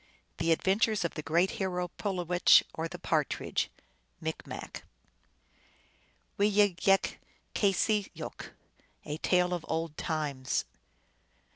The Adventures of the Great Hero Pulowech, or the Partridge. (Micrnac.) Wee yig yik keseyook. A tale of old times.